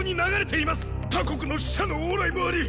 他国の使者の往来もあり